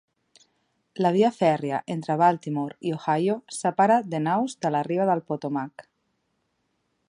La via fèrria entre Baltimore i Ohio separa The Nose de la riba del Potomac.